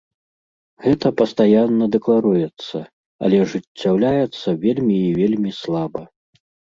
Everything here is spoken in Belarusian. Гэта пастаянна дэкларуецца, але ажыццяўляецца вельмі і вельмі слаба.